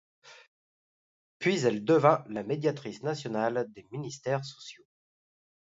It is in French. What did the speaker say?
Puis elle devient la médiatrice nationale des ministères sociaux.